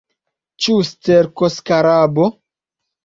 Ĉu sterkoskarabo?